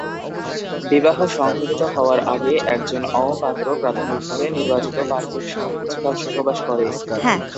বিবাহ সংঘটিত হওয়ার আগে একজন অও পাত্র প্রাথমিকভাবে নির্বাচিত পাত্রীর সঙ্গে কিছুকাল সহবাস করে।